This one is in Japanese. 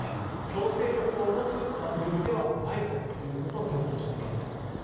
強制力を持つ枠組みではないということを強調しているわけです。